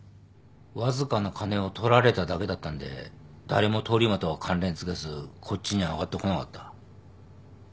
わずかな金を取られただけだったんで誰も通り魔とは関連付けずこっちには挙がってこなかった。